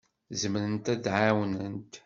Zemrent ad d-ɛawnent.